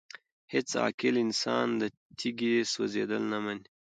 هيڅ عاقل انسان د تيږي سوزيدل نه مني!!